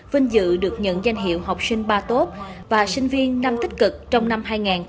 vinh dự được nhận danh hiệu học sinh ba tốt và sinh viên năm tích cực trong năm hai nghìn hai mươi